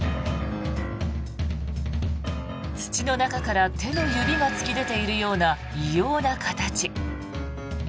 土の中から手の指が突き出ているような異様な形。